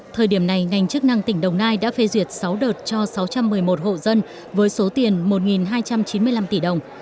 thời điểm này ngành chức năng tỉnh đồng nai đã phê duyệt sáu đợt cho sáu trăm một mươi một hộ dân với số tiền một hai trăm chín mươi năm tỷ đồng